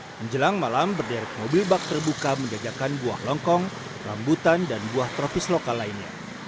menjelang malam berderek mobil bak terbuka menjajakan buah longkong rambutan dan buah tropis lokal lainnya